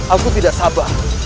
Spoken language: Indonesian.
aku tidak sabar